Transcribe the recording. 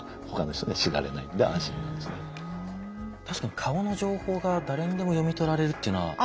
確かに顔の情報が誰にでも読み取られるっていうのは。